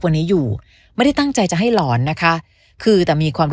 วันนี้อยู่ไม่ได้ตั้งใจจะให้หลอนนะคะคือแต่มีความรู้